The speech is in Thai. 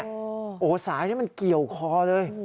โอ้โหสายนี้มันเกี่ยวคอเลย